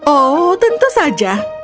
oh tentu saja